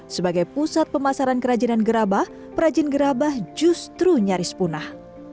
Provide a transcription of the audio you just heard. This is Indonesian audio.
sebagai pusat pemasaran kerajinan gerabah kerajinan gerabah justru nyaris punah